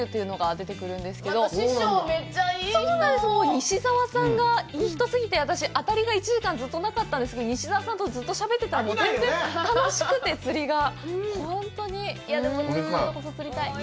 西沢さんがいい人すぎて、私、当たりが１時間ずっとなかったんですけど、西沢さんとずっとしゃべってたら楽しくて、釣りが。